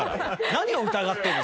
何を疑ってんの？